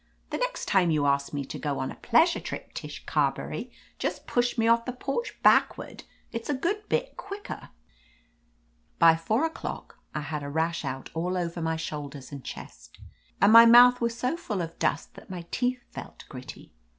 The next time you ask me to go on a pleasure trip, Tish Carberry, just push me off the porch backward. It's a good bit quicker." By four o'clock I had a rash out all over my shoulders and chest, and my mouth was so full of dust that my teeth felt gritty.